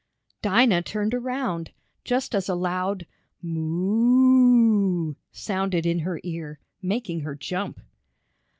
Dinah turned around, just as a loud "Moo!" sounded in her ear, making her jump.